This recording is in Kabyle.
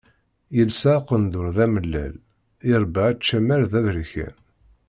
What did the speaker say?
Yelsa aqendur d amellal, irebba ačamar d aberkan.